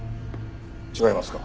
違いますか？